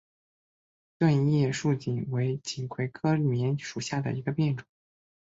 钝叶树棉为锦葵科棉属下的一个变种。